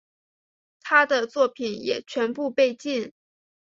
他的作品也全部被禁。